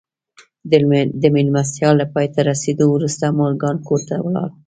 د مېلمستیا له پای ته رسېدو وروسته مورګان کور ته ولاړ